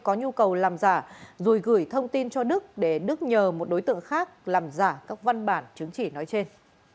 có nhu cầu làm giả rồi gửi thông tin cho đức để đức nhờ một đối tượng khác làm giả các văn bản chứng chỉ nói trên